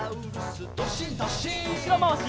うしろまわし。